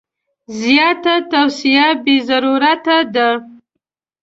زیاته توصیه بې ضرورته ده.